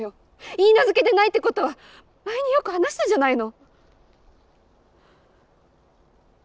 いいなずけでないってことは前によく話したじゃないの。